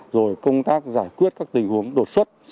rồi công tác giải quyết các tình huống đột xuất